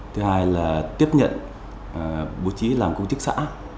thứ hai là tiếp nhận bố trí làm công chức xã